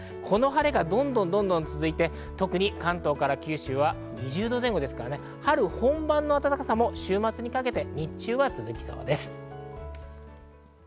この晴れがどんどんと続いて、特に関東から九州は２０度前後、春本番の暖かさも週末にかけて日中は続きそうです。